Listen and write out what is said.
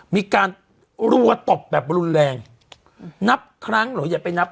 มีการรัวตบแบบรุนแรงนับครั้งเหรออย่าไปนับ